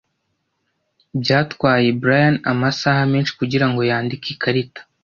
Byatwaye Brian amasaha menshi kugirango yandike ikarita.